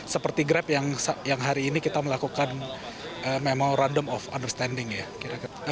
seperti grep yang hari ini kita melakukan memorandum of understanding ya